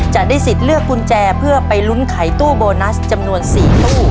จะได้สิทธิ์เลือกกุญแจเพื่อไปลุ้นไขตู้โบนัสจำนวน๔ตู้